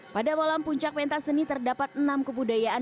pada malam puncak pentas seni terdapat enam kebudayaan